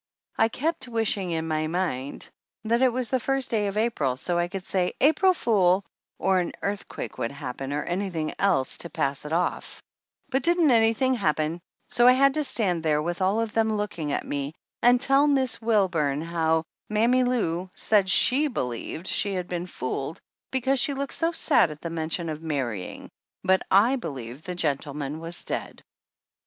I kept wishing in my mind that it was the first day of April so I could say "April Fool," or an earthquake would hap pen or anything else to pass it oif ; but didn't anything happen, so I had to stand there with 160 THE ANNALS OF ANN all of them looking at me and tell Miss Wilburn how Mammy Lou said she believed she had been fooled because she looked so sad at the mention of marrying, but 7 believed the gentleman was dead.